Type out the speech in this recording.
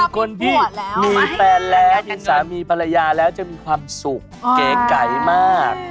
คนที่มีแฟนแล้วเป็นสามีภรรยาแล้วจะมีความสุขเก๋ไก่มาก